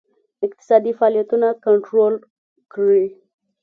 اقتصادي فعالیتونه کنټرول کړي.